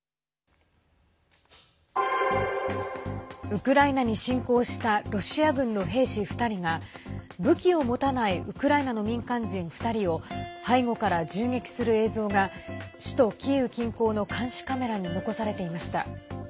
ウクライナに侵攻したロシア軍の兵士２人が武器を持たないウクライナの民間人２人を背後から銃撃する映像が首都キーウ近郊の監視カメラに残されていました。